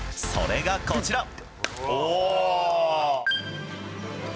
それが、こちら。